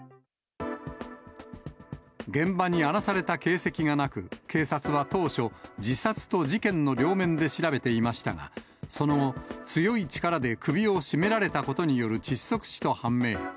現場に荒らされた形跡がなく、警察は当初、自殺と事件の両面で調べていましたが、その後、強い力で首を絞められたことによる窒息死と判明。